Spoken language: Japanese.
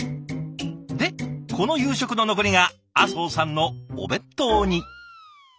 でこの夕食の残りが阿相さんのお弁当に。